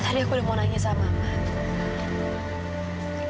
tadi aku udah mau nanya sama mbak